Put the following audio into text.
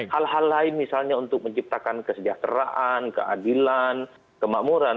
hal hal lain misalnya untuk menciptakan kesejahteraan keadilan kemakmuran